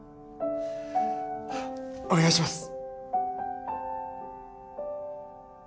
お願いします。